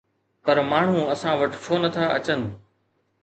پر ماڻهو اسان وٽ ڇو نٿا اچن؟